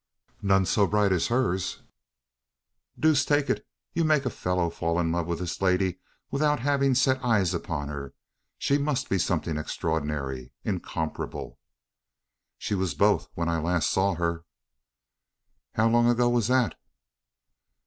"None so bright as hers." "Deuce take it! you make a fellow fall in love with this lady without having set eyes upon her. She must be something extraordinary incomparable." "She was both, when I last saw her." "How long ago was that?"